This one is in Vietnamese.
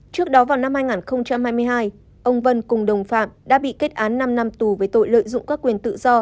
trước đó vào năm hai nghìn hai mươi hai ông vân cùng đồng phạm đã bị kết án năm năm tù với tội lợi dụng các quyền tự do